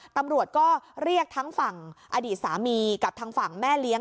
ตำรวจก็เรียกทั้งฝั่งอดีตสามีกับทางฝั่งแม่เลี้ยง